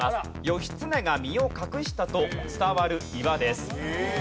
義経が身を隠したと伝わる岩です。